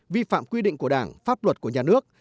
vi phạm quy định của đảng pháp luật của nhà nước